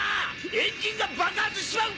エンジンが爆発しちまう！